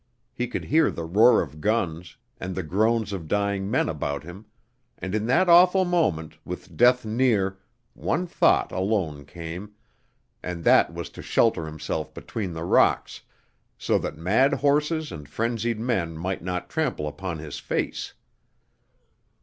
He could hear the roar of guns, and the groans of dying men about him, and in that awful moment, with death near, one thought alone came, and that was to shelter himself between the rocks, so that mad horses and frenzied men might not trample upon his face.